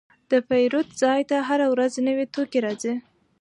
د پیرود ځای ته هره ورځ نوي توکي راځي.